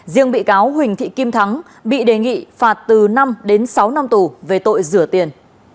riêng bị cáo huỳnh thị kim thắng bị đề nghị phạt từ năm đến sáu năm tù về tội rửa tiền